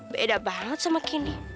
beda banget sama gandy